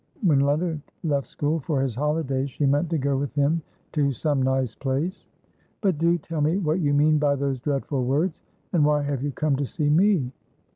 When Leonard left school for his holidays, she meant to go with him to some nice place. "But do tell me what you mean by those dreadful words? And why have you come to see me?"